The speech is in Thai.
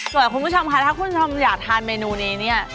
คุณผู้ชมค่ะถ้าคุณผู้ชมอยากทานเมนูนี้เนี่ย